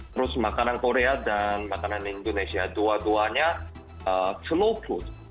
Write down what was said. terus makanan korea dan makanan indonesia dua duanya slow food